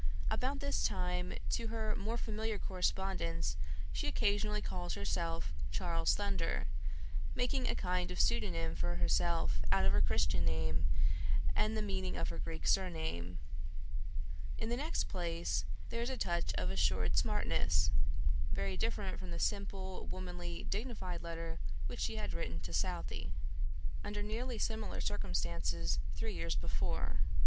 About this time, to her more familiar correspondents, she occasionally calls herself "Charles Thunder," making a kind of pseudonym for herself out of her Christian name, and the meaning of her Greek surname. In the next place, there is a touch of assumed smartness, very different from the simple, womanly, dignified letter which she had written to Southey, under nearly similar circumstances, three years before.